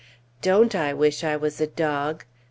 Don't I wish I was a dog!